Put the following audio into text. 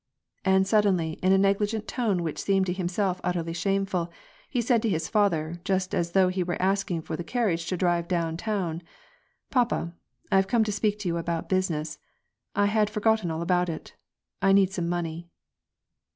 And suddenly, in a negligent tone which seemed to himself utterly shameful, he said to his father, jost as though he were asking for the carriage to drive down town,— " Papa, I came to speak to you about business. I had for gotten all about it. I need some money."